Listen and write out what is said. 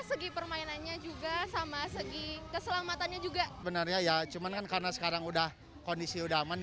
segi permainannya juga sama segi keselamatannya juga benarnya ya cuman kan karena sekarang udah